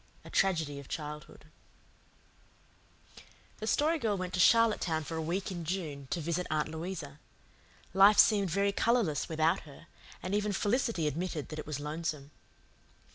A TRAGEDY OF CHILDHOOD The Story Girl went to Charlottetown for a week in June to visit Aunt Louisa. Life seemed very colourless without her, and even Felicity admitted that it was lonesome.